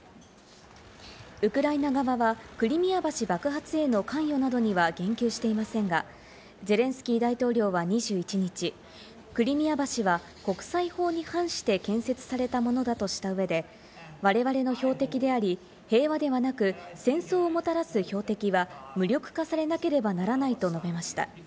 ウクライナ側はクリミア橋爆発への関与などには言及していませんが、ゼレンスキー大統領は２１日、クリミア橋は国際法に反して建設されたものだとした上で、われわれの標的であり、平和ではなく戦争をもたらす標的は無力化されなければならないと述べました。